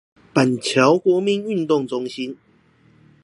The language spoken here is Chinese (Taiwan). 板橋國民運動中心